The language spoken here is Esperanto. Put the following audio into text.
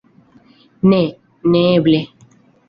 Ne, neeble.